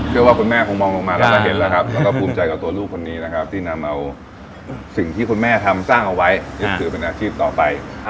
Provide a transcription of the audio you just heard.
ว่าคุณแม่คงมองลงมาแล้วก็เห็นแล้วครับแล้วก็ภูมิใจกับตัวลูกคนนี้นะครับที่นำเอาสิ่งที่คุณแม่ทำสร้างเอาไว้ยึดถือเป็นอาชีพต่อไป